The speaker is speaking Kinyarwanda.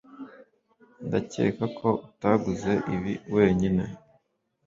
Ndakeka ko utaguze ibi wenyine